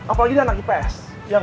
apalagi dia anak ips